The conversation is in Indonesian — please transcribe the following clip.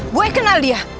bu ewa kenal dia